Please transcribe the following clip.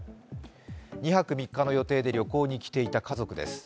２泊３日の予定で旅行に来ていた家族です。